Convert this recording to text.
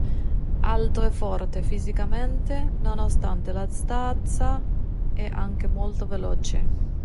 Alto e forte fisicamente, nonostante la stazza è anche molto veloce.